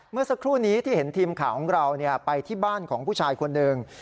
เมื่อสักครู่นี้ที่เห็นทีมข่าวของเราไปที่บ้านของผู้ชายคนหนึ่ง